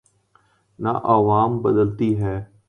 نہ عوام بدلتے ہیں۔